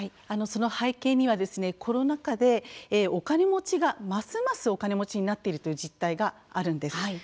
その背景にはコロナ禍でお金持ちがますますお金持ちになっているという実態があるんです。